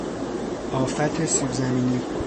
آفت سیبزمینی